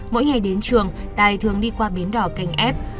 mỗi ngày đến trường tài thường đi qua bến đò kênh f